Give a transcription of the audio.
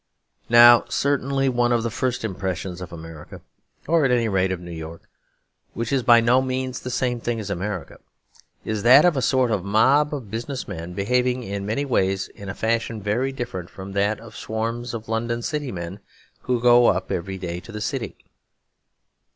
Now certainly one of the first impressions of America, or at any rate of New York, which is by no means the same thing as America, is that of a sort of mob of business men, behaving in many ways in a fashion very different from that of the swarms of London city men who go up every day to the city.